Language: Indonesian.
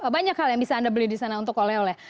banyak hal yang bisa anda beli di sana untuk oleh oleh